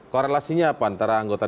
korelasinya apa antara anggota